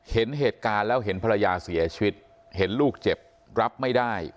เห็นเหตุการณ์แล้วเห็นภรรยาเสียชีวิตเห็นลูกเจ็บรับไม่ได้